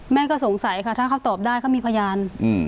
แม่ก็สงสัยค่ะถ้าเขาตอบได้เขามีพยาน